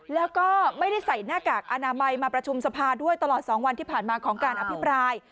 แล้วก็ไม่ได้ใส่หน้ากากอนามัยมาประชุมสภาด้วยตลอด๒วันที่ผ่านมาของการอภิปราย